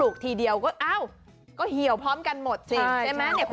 ปฏิเสธว่าอยู่